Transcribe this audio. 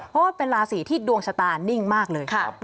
เพราะว่าเป็นราศีที่ดวงชะตานิ่งมากเลย